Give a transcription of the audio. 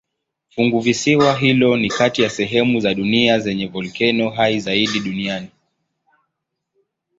Funguvisiwa hilo ni kati ya sehemu za dunia zenye volkeno hai zaidi duniani.